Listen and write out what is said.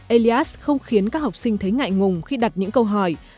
elias không khiến các học sinh thấy ngại ngùng khi đặt những câu hỏi